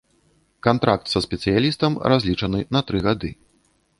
Кантракт са спецыялістам разлічаны на тры гады.